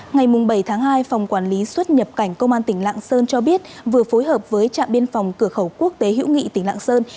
ngày bảy tháng hai phòng quản lý xuất nhập cảnh công an tỉnh lạng sơn cho biết vừa phối hợp với trạm biên phòng cửa khẩu quốc tế hữu nghị tỉnh lạng sơn